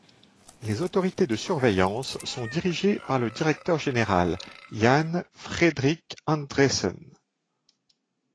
Les autorités de surveillance sont dirigées par le Directeur général Jan Fredrik Andresen.